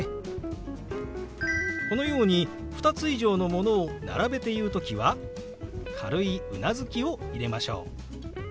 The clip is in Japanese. このように２つ以上のものを並べて言う時は軽いうなずきを入れましょう。